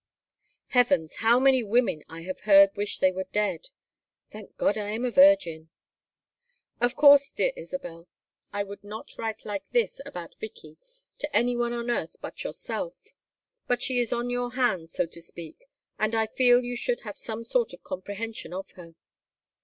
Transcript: Heavens! how many women I have heard wish they were dead. Thank God I am a virgin! "Of course, dear Isabel, I would not write like this about Vicky to any one on earth but yourself. But she is on your hands, so to speak, and I feel you should have some sort of comprehension of her.